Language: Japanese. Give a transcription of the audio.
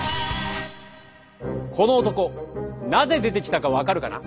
この男なぜ出てきたか分かるかな？